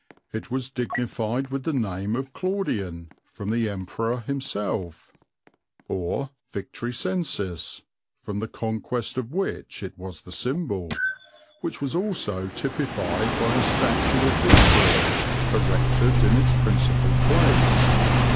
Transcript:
'It was dignified with the name of Claudian, from the Emperor himself, or Victricensis, from the conquest of which it was the symbol, which was also typified by a statue of Victory, erected in its principal place.'